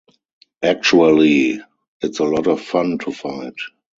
Actually, it's a lot of fun to fight.